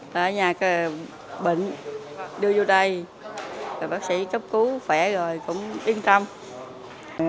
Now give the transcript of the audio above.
tại nhà bệnh đưa vô đây bác sĩ cấp cứu khỏe rồi cũng yên trọng